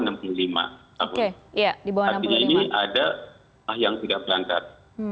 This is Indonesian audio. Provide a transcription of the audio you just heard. artinya ini ada yang tidak berangkat